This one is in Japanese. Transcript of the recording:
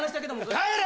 帰れ！